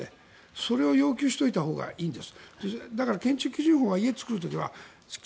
それを要求しておいたほうがいいんです。